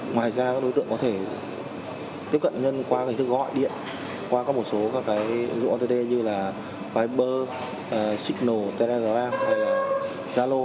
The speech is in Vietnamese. ngoài ra các đối tượng có thể tiếp cận nạn nhân qua hình thức gọi điện qua một số ứng dụng ott như fiber signal telegram jalo